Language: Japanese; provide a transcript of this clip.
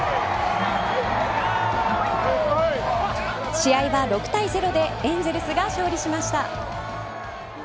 試合は６対０でエンゼルスが勝利しました。